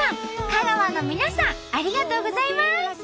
香川の皆さんありがとうございます！